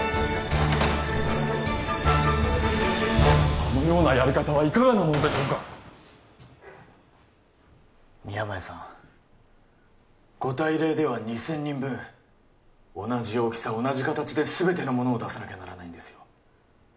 あのようなやり方はいかがなものでしょうか宮前さんご大礼では２０００人分同じ大きさ同じ形で全てのものを出さなきゃならないんですよ